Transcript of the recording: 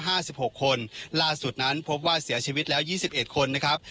หลักสุดนั้นพบว่าเสียชีวิตแล้ว๒๑คนนะครับ